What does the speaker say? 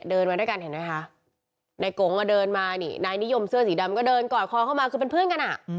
มาด้วยกันเห็นไหมคะนายกงมาเดินมานี่นายนิยมเสื้อสีดำก็เดินกอดคอเข้ามาคือเป็นเพื่อนกันอ่ะ